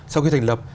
sau khi thành lập